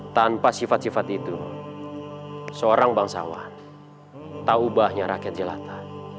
tanpa sifat sifat itu seorang bangsawan taubahnya rakyat jelata